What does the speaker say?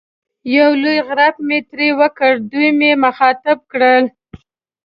یو لوی غړپ مې ترې وکړ، دوی مې مخاطب کړل.